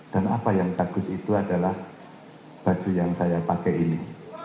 dan apa yang bagus itu adalah baju yang saya pakai ini